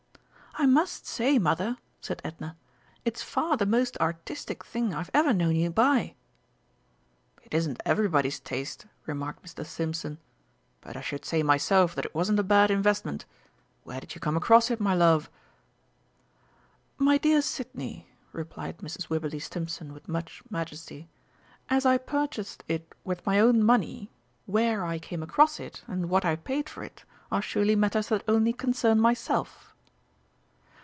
"I must say, Mother," said Edna, "it's far the most artistic thing I've ever known you buy." "It isn't everybody's taste," remarked Mr. Stimpson, "but I should say myself that it wasn't a bad investment. Where did you come across it, my love?" "My dear Sidney," replied Mrs. Wibberley Stimpson with much majesty, "as I purchased it with my own money, where I came across it, and what I paid for it are surely matters that only concern myself."